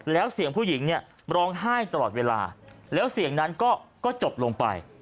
แล้วเสียงผู้หญิงเนี่ยร้องไห้ตลอดเวลาแล้วเสียงนั้นก็จบลงไป